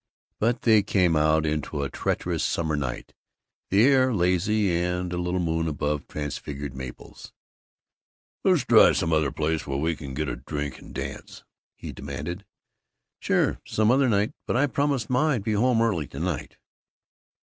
But they came out into a treacherous summer night, the air lazy and a little moon above transfigured maples. "Let's drive some other place, where we can get a drink and dance!" he demanded. "Sure, some other night. But I promised Ma I'd be home early to night."